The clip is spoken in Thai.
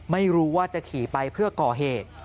ไม่รู้ว่าจะขี่ไปเพื่อก่อเหตุ